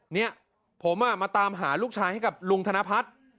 เนี่ยผมมาตามหาลูกชายให้กับลุงธนพัฒน์